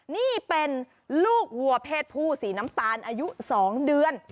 นี่เป็นลูกวัวเพศผู้สีน้ำตาลอายุ๒เดือน